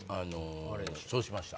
そうしました。